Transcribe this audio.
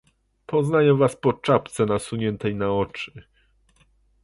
"Poznaję was po czapce, nasuniętej na oczy."